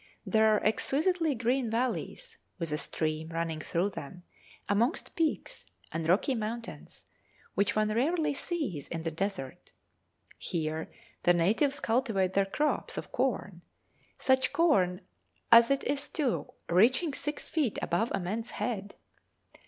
There are exquisitely green valleys, with a stream running through them, amongst peaks, and rocky mountains, which one rarely sees in the desert. Here the natives cultivate their crops of corn such corn as it is too, reaching six feet above a man's head!